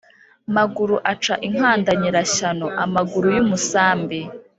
Maguru aca inkanda nyirashyano.-Amaguru y'umusambi.